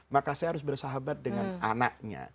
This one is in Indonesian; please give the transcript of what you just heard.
maka saya harus bersahabat dengan anaknya